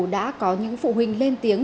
đã có những phụ huynh lên tiếng